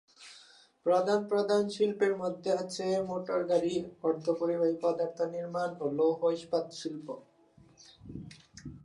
প্রধান প্রধান শিল্পের মধ্যে আছে মোটরগাড়ি, অর্ধপরিবাহী পদার্থ নির্মাণ ও লৌহ-ইস্পাত শিল্প।